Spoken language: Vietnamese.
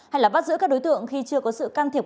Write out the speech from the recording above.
hay là bắt giữ các đối tượng khi chưa có sự can thiệp